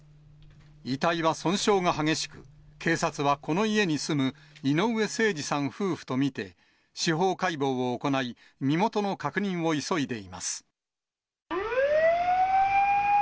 遺体は損傷が激しく、警察はこの家に住む井上盛司さん夫婦と見て、司法解剖を行い、身元の確認を急いでいます。